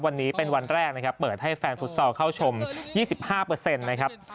วันนี้เป็นวันแรกนะครับเปิดให้แฟนฟุตซอลเข้าชมยี่สิบห้าเปอร์เซ็นต์นะครับ